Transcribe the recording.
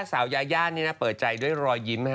สาวยาย่านี่นะเปิดใจด้วยรอยยิ้ม